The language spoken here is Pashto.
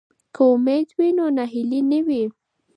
که امید وي نو ناهیلي نه وي.